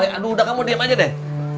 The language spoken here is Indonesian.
aduh udah kamu diem aja deh